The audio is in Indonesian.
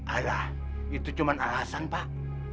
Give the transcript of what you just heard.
alah itu cuma alasan pak